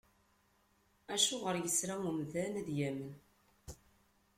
Acuɣer yesra umdan ad yamen?